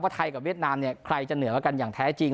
ว่าไทยกับเวียตนามใครจะเหนือกันอย่างแท้จริง